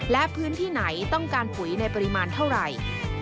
และพื้นที่ไหนต้องการปุ๋ยในปริมาณเท่าไหร่